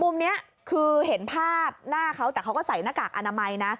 มุมนี้คือเห็นภาพหน้าเขาแต่เขาก็ใส่หน้ากากอนามัยนะ